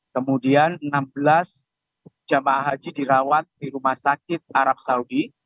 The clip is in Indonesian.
kemudian enam belas jemaah haji dirawat di rumah sakit arab saudi